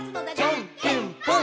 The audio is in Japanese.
「じゃんけんぽん！！」